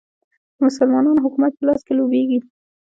د مسلمانانو حکومت په لاس کې لوبیږي.